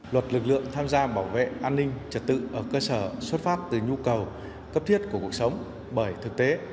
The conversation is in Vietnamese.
luật lực lượng tham gia bảo vệ an ninh trật tự ở cơ sở xuất phát từ nhu cầu cấp thiết của cuộc sống bởi thực tế